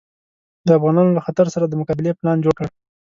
د افغانانو له خطر سره د مقابلې پلان جوړ کړ.